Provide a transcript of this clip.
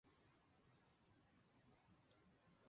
他屡次向唐朝遣使朝贡。